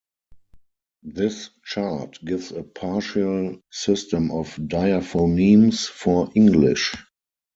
This chart gives a partial system of diaphonemes for English.